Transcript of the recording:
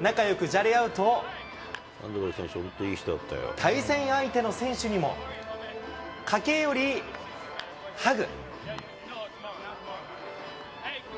仲よくじゃれ合うと、対戦相手の選手にも駆け寄り、ハグ。